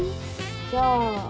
じゃあ。